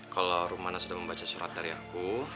kalau rumana sudah membaca surat dari aku